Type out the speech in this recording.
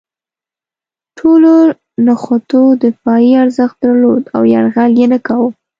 ټولو نښتو دفاعي ارزښت درلود او یرغل یې نه کاوه.